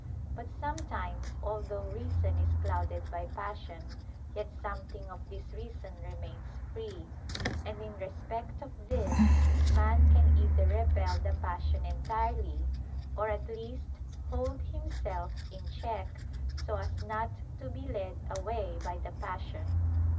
But sometimes, although reason is clouded by passion, yet something of this reason remains free. And in respect of this, man can either repel the passion entirely, or at least hold himself in check so as not to be led away by the passion.